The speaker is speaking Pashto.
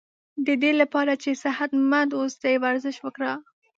ددی لپاره چی صحت مند و اوسی ورزش وکړه